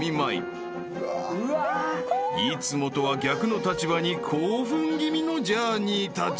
［いつもとは逆の立場に興奮気味のジャーニーたち］